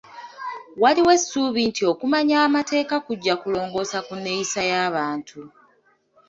Waliwo essuubi nti okumanya amateeka kujja kulongoosa ku nneyisa y'abantu.